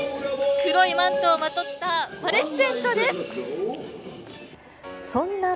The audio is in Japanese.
黒いマントをまとったマレフィセントです。